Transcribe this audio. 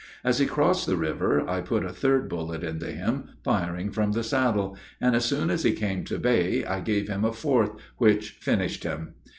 As he crossed the river, I put a third bullet into him, firing from the saddle, and, as soon as he came to bay, I gave him a fourth, which finished him.